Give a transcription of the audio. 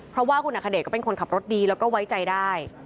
เพราะว่าคุณอัคเดชก็เป็นคนขับรถดีแล้วก็ไว้ใจได้